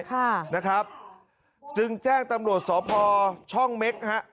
ค่ะนะครับจึงแจ้งตำรวจสพช่องเม็กฮะ